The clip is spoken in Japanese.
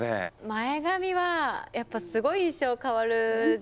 前髪はやっぱ、すごい印象変わる。